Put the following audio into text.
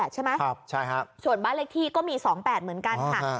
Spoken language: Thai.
๑๘๒๘ใช่ไหมครับใช่ฮะส่วนบ้านเลขที่ก็มีสองแปดเหมือนกันค่ะ